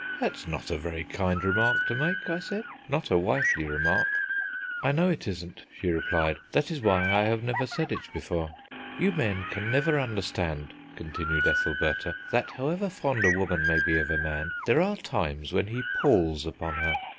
"That's not a very kind remark to make," I said, "not a wifely remark." "I know it isn't," she replied; "that is why I have never said it before. You men never can understand," continued Ethelbertha, "that, however fond a woman may be of a man, there are times when he palls upon her.